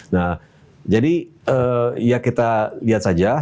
nah jadi ya kita lihat saja